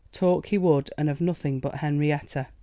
Talk he would, and of nothing but Henrietta.